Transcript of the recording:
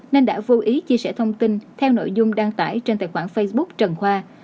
nên đã vô ý chia sẻ thông tin theo nội dung đăng tải trên tài khoản facebook trần khoa